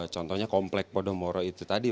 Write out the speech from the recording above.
contohnya komplek podomoro itu tadi